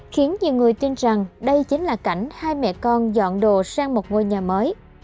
khiến nhiều người tin rằng đây chính là cảnh hai mẹ con dọn đồ sang một ngôi nhà mới